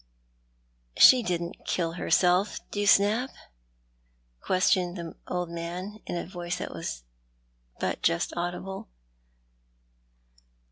" She didn't kill herself, Dewsnap V " questioned the old man, in a voice that was but just audible.